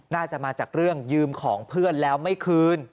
น่าจะมาจากเรื่องยืมของเพื่อนแล้วไม่คืน